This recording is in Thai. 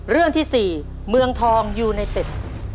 เรื่องที่๔เมืองทองยูไนเต็ด